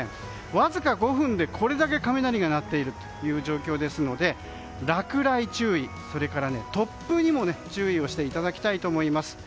わずか５分でこれだけ雷が鳴っている状況なので落雷注意それから突風などにも注意していただきたいと思います。